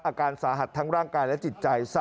อาการสาหัสทั้งร่างกายและจิตใจ